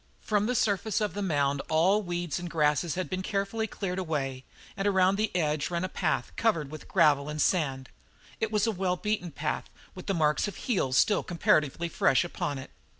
From the surface of the mound all the weeds and grasses had been carefully cleared away, and around its edge ran a path covered with gravel and sand. It was a wellbeaten path with the mark of heels still comparatively fresh upon it.